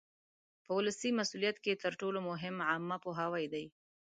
په ولسي مسؤلیت کې تر ټولو مهم عامه پوهاوی دی.